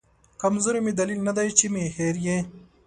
کمزوري مې دلیل ندی چې مې هېر یې